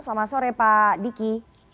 selamat sore pak diki